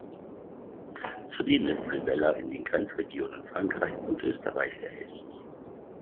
Zudem ist Rivella in den Grenzregionen Frankreichs und Österreichs erhältlich.